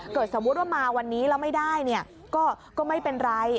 สมมุติว่ามาวันนี้แล้วไม่ได้ก็ไม่เป็นไร